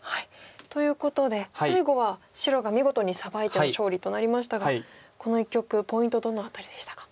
ということで最後は白が見事にサバいての勝利となりましたがこの一局ポイントどの辺りでしたか。